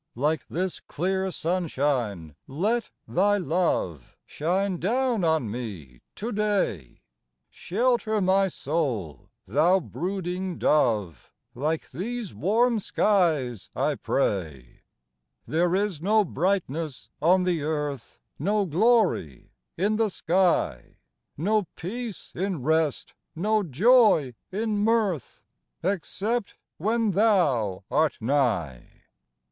Like this clear sunshine, let Thy love Shine down on me to day ! Shelter my soul, thou brooding Dove, Like these warm skies, I pray ! (36) HYMNS OF A DAY 37 There is no brightness on the earth, No glory in the sky, No peace in rest, no joy in mirth, Except when Thou art nigh.